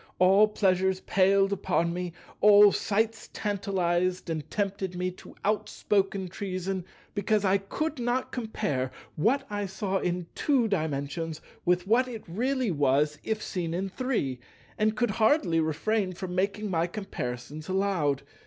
All pleasures palled upon me; all sights tantalized and tempted me to outspoken treason, because I could not compare what I saw in Two Dimensions with what it really was if seen in Three, and could hardly refrain from making my comparisons aloud.